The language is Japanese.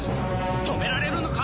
止められるのか？